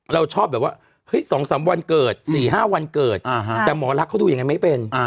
เราชอบแบบว่าเฮ้ย๒๓วันเกิด๔๕วันเกิดแต่หมอรักเขาดูอย่างนั้นไม่เป็น